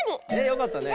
よかったね。